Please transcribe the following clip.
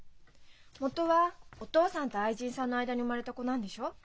元はお父さんと愛人さんの間に生まれた子なんでしょ？